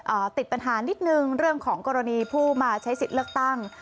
ติดปัญหานิดนึงเรื่องของกรณีผู้มาใช้สิทธิ์เลือกตั้ง